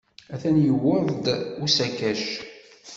Atan yuweḍ-d usakac.